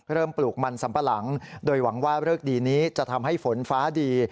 ปลูกมันสัมปะหลังโดยหวังว่าเลิกดีนี้จะทำให้ฝนฟ้าดี